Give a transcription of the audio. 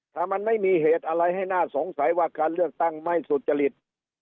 ถ้ามันไม่มีเหตุอะไรให้น่าสงสัยว่าการเลือกตั้งไม่สุจริต